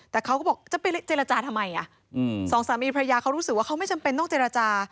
แต่เขาก็บอกจะไปเจรจาทำไมสองสามีพระยาเขารู้สึกว่าเขาไม่จำเป็นต้องเจรจา